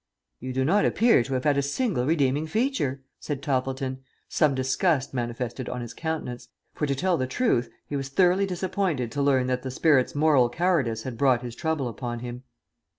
"You do not appear to have had a single redeeming feature," said Toppleton, some disgust manifested on his countenance, for to tell the truth he was thoroughly disappointed to learn that the spirit's moral cowardice had brought his trouble upon him.